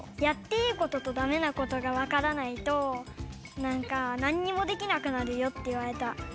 やっていいこととダメなことがわからないとなんかなんにもできなくなるよって言われた。